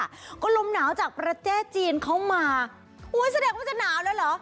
ก็ลมหนาวจากประเทศจีนเข้ามาอุ้ยแสดงว่าจะหนาวแล้วเหรอ